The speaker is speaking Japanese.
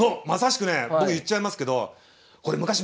まさしくねえ僕言っちゃいますけど昔